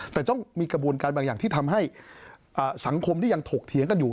แต่ต้องมีกระบวนการบางอย่างที่ทำให้สังคมที่ยังถกเถียงกันอยู่